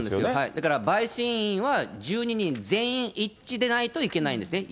だから陪審員は１２人全員一致でないといけないんですね。